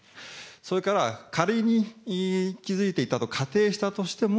それから、仮に気付いていたと仮定したとしても、